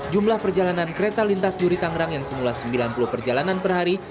jumlah perjalanan kereta lintas duri tangerang yang semula sembilan puluh perjalanan per hari